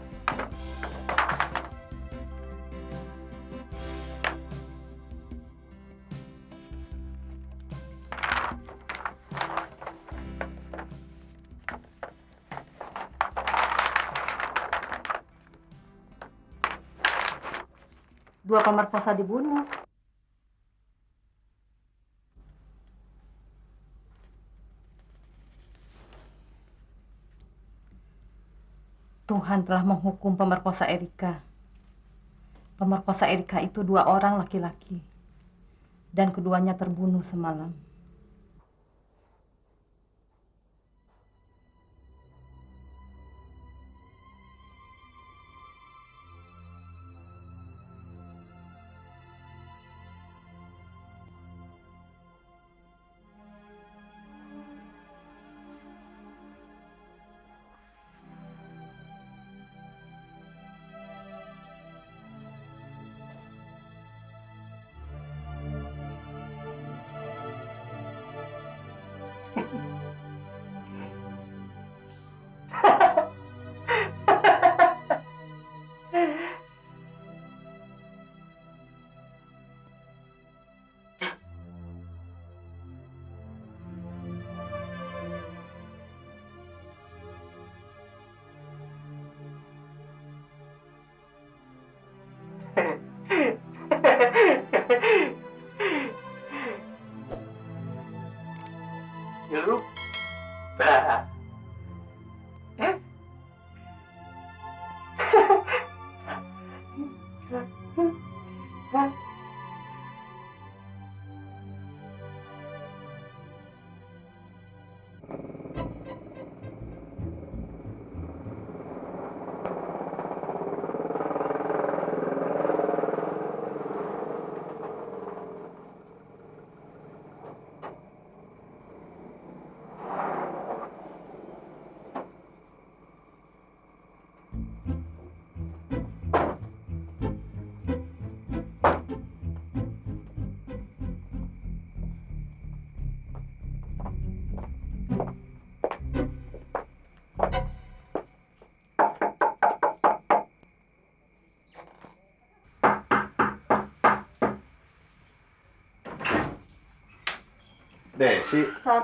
iya ada sesuatu yang mau desi bicarakan boleh papa dan mama menurut kamu udah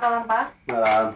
dulu ya pak